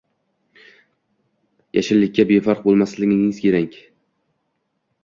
Yashillikka befarq bo‘lmasligimiz kerakng